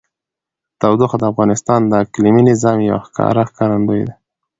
تودوخه د افغانستان د اقلیمي نظام یوه ښکاره ښکارندوی ده.